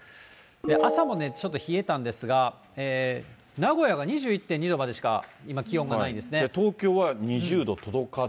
朝もね、ちょっと冷えたんですが、名古屋は２１．２度までしか今、東京は２０度届かず。